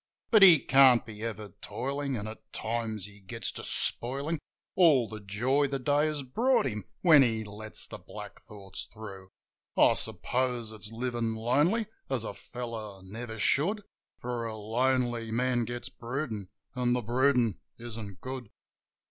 But he can't be ever toilin', an' at times he gets to spoilin' All the joy the day has brought him — when he lets the black thoughts through. I suppose it's livin' lonely, as a fellow never should; For a lonely man gets broodin', an' the broodin' isn't good.